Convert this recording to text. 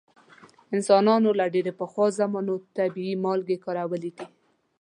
انسانانو له ډیرو پخوا زمانو طبیعي مالګې کارولې دي.